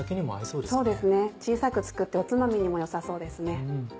そうですね小さく作っておつまみにも良さそうです。